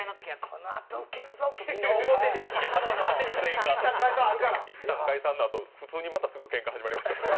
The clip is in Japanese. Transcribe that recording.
いったん解散のあと普通にまたすぐケンカ始まりましたね。